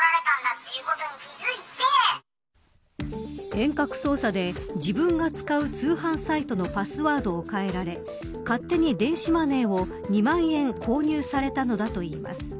遠隔操作で自分が使う通販サイトのパスワードを変えられ勝手に電子マネーを２万円購入されたのだといいます。